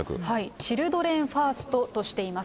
チルドレンファーストとしています。